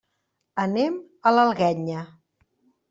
Anem a l'Alguenya.